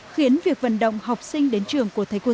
khiến việc vận động học sinh đến trường của thầy cô giáo